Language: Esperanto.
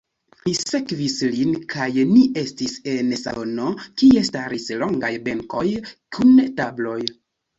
Mi sekvis lin kaj ni estis en salono, kie staris longaj benkoj kun tabloj.